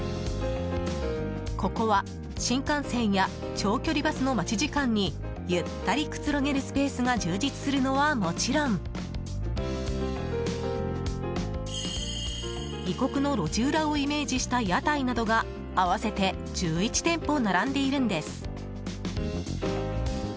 ここは新幹線や長距離バスの待ち時間にゆったりくつろげるスペースが充実するのはもちろん異国の路地裏をイメージした屋台などが合わせて１１店舗並んでいるんです。